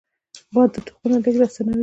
باد د تخمونو لیږد اسانوي